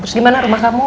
terus gimana rumah kamu